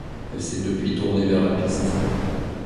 Elle s'est depuis tournée vers la piste.